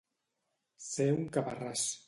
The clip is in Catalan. Ser un caparràs.